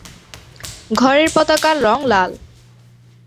ঘরের পতাকার রঙ লাল।